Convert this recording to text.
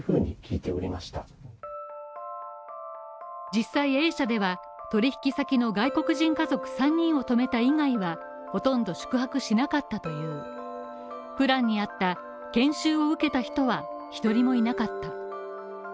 実際Ａ社では、取引先の外国人家族３人をとめた以外はほとんど宿泊しなかったというプランにあった研修を受けた人は１人もいなかった。